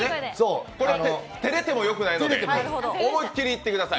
照れてもよくないので、思いきりいってください。